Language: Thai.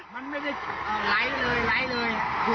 ไหลเลยไหลเลย